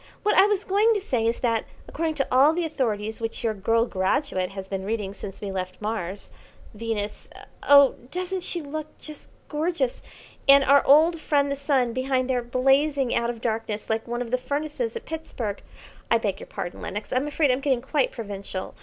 What I was going to say is that, according to all the authorities which your girl graduate has been reading since we left Mars, Venus oh, doesn't she look just gorgeous, and our old friend the Sun behind there blazing out of darkness like one of the furnaces at Pittsburg I beg your pardon, Lenox, I'm afraid I'm getting quite provincial.